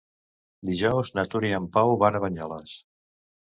Dijous na Tura i en Pau van a Banyoles.